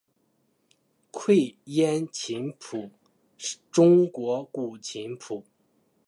愧庵琴谱中国古琴谱。